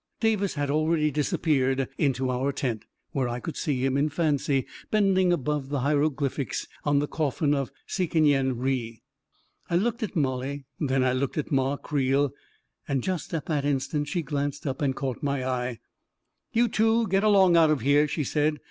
Davis had already disappeared into our tent, where I could see him, in fancy, bending above the hieroglyphics on the coffin of Sekenyen Re. I looked at Mollie and then I looked at Ma Creel, and just at that instant she glanced up and caught my eye. " You two get along out of here," she said.